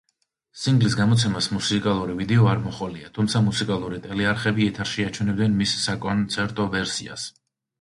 სინგლის გამოცემას მუსიკალური ვიდეო არ მოჰყოლია, თუმცა მუსიკალური ტელეარხები ეთერში აჩვენებდნენ მის საკონცერტო ვერსიას.